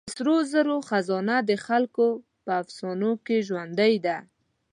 د سرو زرو خزانه د خلکو په افسانو کې ژوندۍ ده.